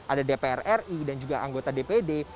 ada dpr ri dan juga anggota dpd